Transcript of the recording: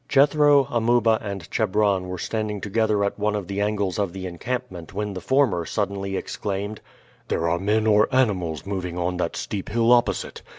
Jethro, Amuba, and Chebron were standing together at one of the angles of the encampment when the former suddenly exclaimed: "There are men or animals moving on that steep hill opposite!